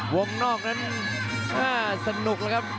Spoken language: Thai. วงนอกนั้นสนุกแล้วครับ